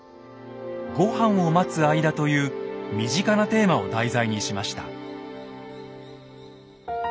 「ごはんを待つ間」という身近なテーマを題材にしました。